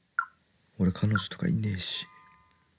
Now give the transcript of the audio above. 「俺彼女とかいねぇし」